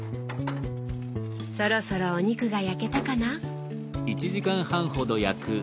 そろそろお肉が焼けたかな？